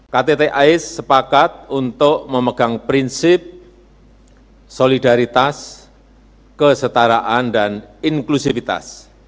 ktt ais sepakat untuk memegang prinsip solidaritas kesetaraan dan inklusivitas